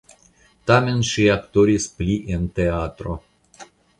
Tamen ŝi aktoris pli en teatro.